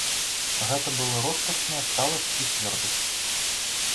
Гэта была роспачная сталасць і цвёрдасць.